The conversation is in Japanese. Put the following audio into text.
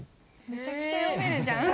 めちゃくちゃ読めるじゃん。